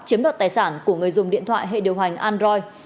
chiếm đoạt tài sản của người dùng điện thoại hệ điều hành android